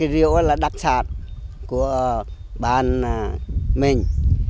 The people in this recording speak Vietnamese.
rượu đặc sản của bản mình